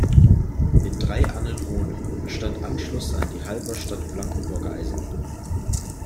In Drei-Annen-Hohne bestand Anschluss an die Halberstadt-Blankenburger Eisenbahn.